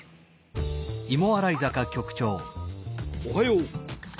おはよう。